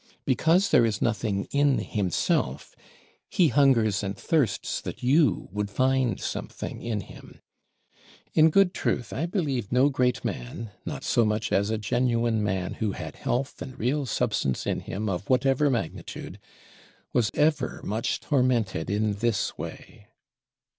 Because there is nothing in himself, he hungers and thirsts that you would find something in him. In good truth, I believe no great man, not so much as a genuine man who had health and real substance in him of whatever magnitude, was ever much tormented in this way.